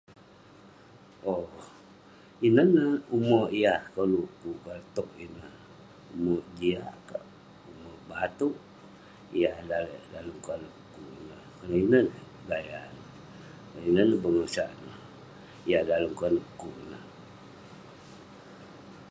owk..inen neh umerk yah koluk kuk, konak towk ineh, umerk jiak kerk, umerk batouk, yah lalek dalem konep kuk ineh konak inen neh gaya neh, konak inen neh bengosak neh, yah dalem konep kuk ineh